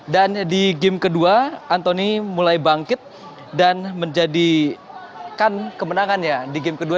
dan di game kedua antoni mulai bangkit dan menjadikan kemenangannya di game kedua